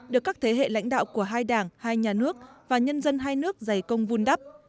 được các thế hệ lãnh đạo của hai đảng hai nhà nước và nhân dân hai nước dày công vun đắp